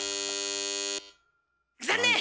残念！